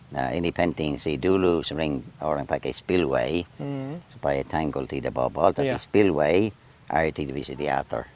nah ini penting sih dulu seminggu orang pakai spillway supaya tanggal tidak berubah tapi spillway air tidak bisa diatur